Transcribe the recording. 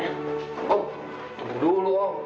oh tunggu dulu om